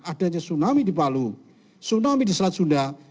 adanya tsunami di palu tsunami di selat sunda